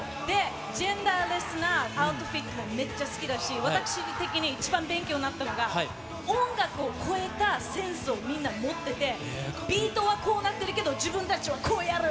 ジェンダーレスなアウトフィットがめっちゃ好きだし、私的に一番勉強になったのが、音楽を超えたセンスをみんな持ってて、ビートはこうなってるけど、自分たちはこうやる！